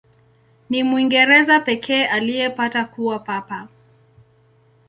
Ni Mwingereza pekee aliyepata kuwa Papa.